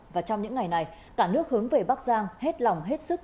và trong những ngày này cả nước hướng về bắc giang hết lòng hết sức